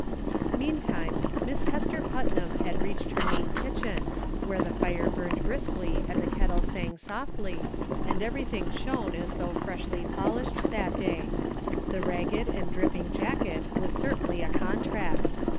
Meantime, Miss Hester Putnam had reached her neat kitchen, where the fire burned briskly SOME HALF WAY THINKING. 6,7 and the kettle sang softly, and everything shone as though freshly polished that day. The ragged and dripping jacket was certainly a contrast.